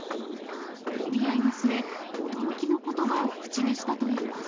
もみ合いの末、驚きのことばを口にしたといいます。